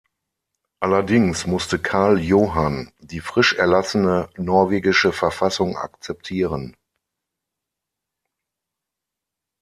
Allerdings musste Karl Johann die frisch erlassene norwegische Verfassung akzeptieren.